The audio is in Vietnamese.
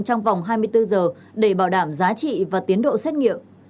trong vòng hai mươi bốn giờ để bảo đảm giá trị và tiến độ xét nghiệm